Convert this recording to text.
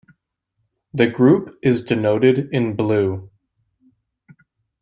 The group is denoted in blue.